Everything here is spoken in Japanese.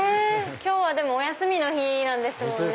今日はお休みの日なんですもんね。